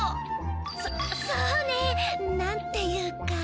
そそうね。なんていうか。